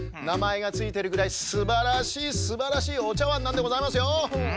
なまえがついてるぐらいすばらしいすばらしいおちゃわんなんでございますよ。